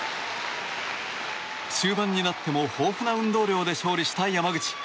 終盤になっても豊富な運動量で勝利した山口。